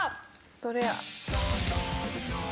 どれや？